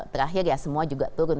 terakhir ya semua juga turun